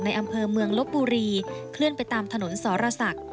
อำเภอเมืองลบบุรีเคลื่อนไปตามถนนสรศักดิ์